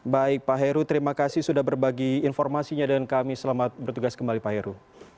baik pak heru terima kasih sudah berbagi informasinya dan kami selamat bertugas kembali pak heru